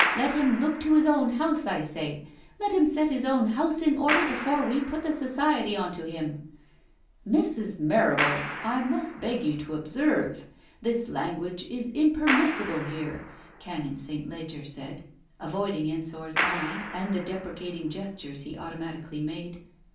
Let him look to his own house, I say — let him set his own house in order before we put the Society on to him !" "Mrs. Marrable, I must beg you to observe! This language is impermissible here," Canon St. Leger said, avoiding Ensor's eye and the deprecating gestures he automatically made.